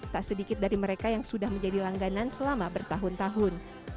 tak sedikit dari mereka yang sudah menjadi langganan selama bertahun tahun